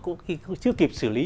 cũng chưa kịp xử lý